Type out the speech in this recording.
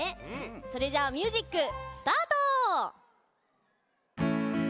それじゃあミュージックスタート！